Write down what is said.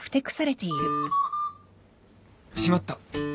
しまった！